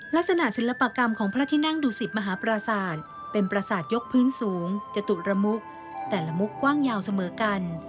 ศิลปกรรมของพระที่นั่งดูสิตมหาปราศาสตร์เป็นประสาทยกพื้นสูงจตุระมุกแต่ละมุกกว้างยาวเสมอกัน